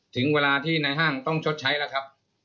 ถึงเวลาที่ในห้างต้องชดใช้แล้วครับ